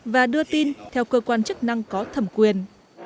và đưa tin theo cơ quan chức năng có thẩm quyền